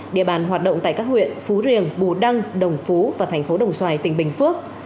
địa bàn hoạt động tại các huyện phú riềng bù đăng đồng phú và thành phố đồng xoài tỉnh bình phước